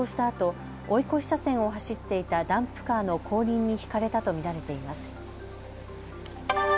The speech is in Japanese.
あと追い越し車線を走っていたダンプカーの後輪にひかれたと見られています。